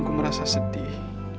gue merasa sedih